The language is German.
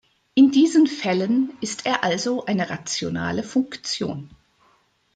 In diesen Fällen ist er also eine rationale Funktion.